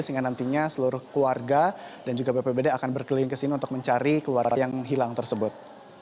sehingga nantinya seluruh keluarga dan juga bpbd akan berkeliling ke sini untuk mencari keluarga yang hilang tersebut